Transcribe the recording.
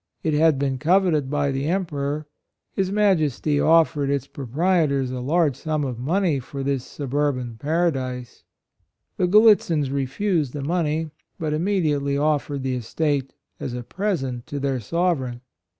It had been coveted by the Emperor. His majesty offered its proprietors a large sum of money for this sub urban paradise. The Grallitzins re AND DIFFICULTIES. 83 fused the money, but immediately offered the estate as a present to their sovereign.